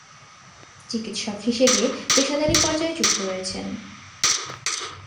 চিকিৎসক হিসেবে পেশাদারী পর্যায়ে যুক্ত রয়েছেন।